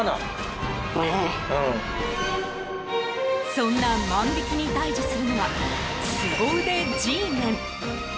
そんな万引きに対峙するのはスゴ腕Ｇメン。